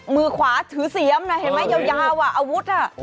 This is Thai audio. มือขวาถือเสียมนะอยาวอาวุธอ่ะ